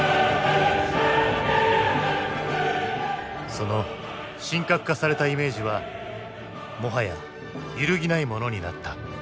その神格化されたイメージはもはや揺るぎないものになった。